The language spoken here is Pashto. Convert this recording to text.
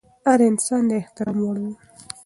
هر انسان د احترام وړ دی.